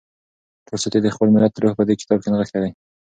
تولستوی د خپل ملت روح په دې کتاب کې نغښتی دی.